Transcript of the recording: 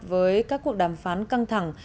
với các cuộc đàm phán căng thẳng